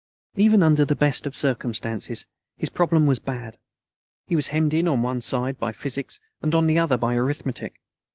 Even under the best of circumstances, his problem was bad. He was hemmed in on one side by physics, and on the other by arithmetic.